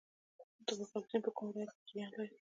د مرغاب سیند په کوم ولایت کې جریان لري؟